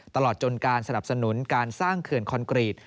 ตลอดจนการสนับสนุนการสร้างเขื่อนคอนกรีต